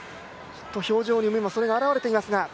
表情にもそれが表れていますが。